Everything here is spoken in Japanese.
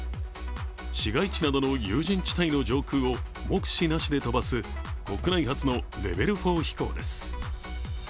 市街地などの有人地帯の上空を目視なしで飛ばす国内初のレベル４飛行です。